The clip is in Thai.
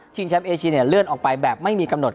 แชมป์เอเชียเนี่ยเลื่อนออกไปแบบไม่มีกำหนด